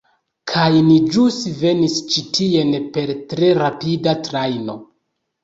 Kaj ni ĵus venis ĉi tien per tre rapida trajno.